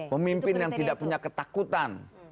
pemimpin yang tidak punya ketakutan